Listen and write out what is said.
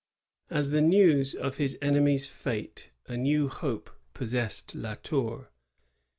At the news of his enemy's fate a new hope pos sessed La Tour.